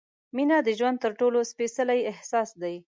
مینه د ژوند تر ټولو سپېڅلی احساس دی.